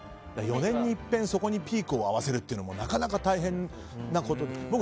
４年に１ぺんそこにペースを合わせるのもなかなか大変なことですよね。